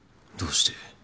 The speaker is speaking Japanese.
どうして